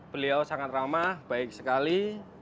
beliau sangat ramah baik sekali